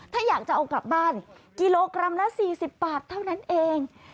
ถ้าอยากจะเอากลับบ้านกิโลกรัมละ๔๐บาทเท่านั้นเอง